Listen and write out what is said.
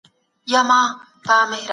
ايا بدلون تل ورو وي؟